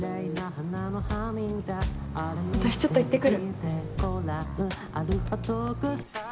私ちょっと言ってくる。